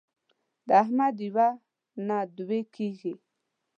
د احمد یوه نه دوې کېږي.